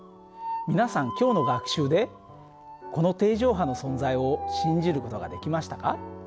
皆さん今日の学習でこの定常波の存在を信じる事ができましたか？